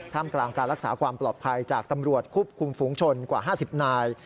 กลางการรักษาความปลอดภัยจากตำรวจควบคุมฝูงชนกว่า๕๐นาย